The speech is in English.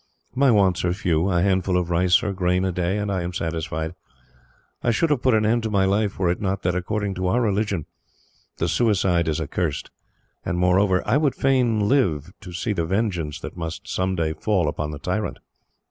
My wants are few: a handful of rice or grain a day, and I am satisfied. I should have put an end to my life, were it not that, according to our religion, the suicide is accursed; and, moreover, I would fain live to see the vengeance that must some day fall upon the tyrant.